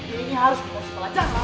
dia ini harus dikonsumsi pelajaran